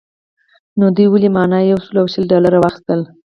نو دوی ولې مانه یو سل او شل ډالره واخیستل.